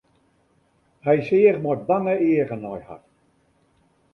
Hy seach mei bange eagen nei har.